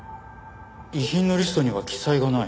遺品のリストには記載がない。